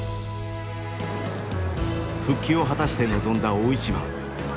復帰を果たして臨んだ大一番。